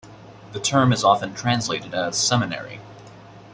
The term is often translated as 'seminary'.